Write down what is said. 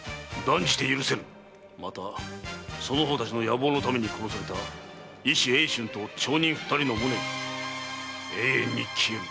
またその方たちの野望のために殺された医師・英春と町人二人の無念永遠に消えぬ！